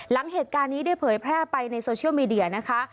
หลังเหตุการณ์นี้ได้เผยแพร่ไปในโซเชียลมีเดียนะคะ